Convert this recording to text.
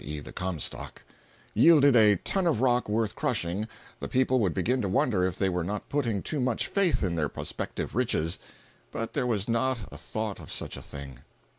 e., the "Comstock") yielded a ton of rock worth crushing, the people would begin to wonder if they were not putting too much faith in their prospective riches; but there was not a thought of such a thing.